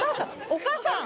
お母さん。